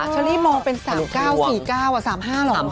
เชอรี่มองเป็น๓๙๔๙๓๕เหรอ